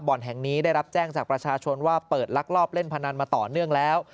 แห่งนี้ได้รับแจ้งจากประชาชนว่าเปิดลักลอบเล่นพนันมาต่อเนื่องแล้ว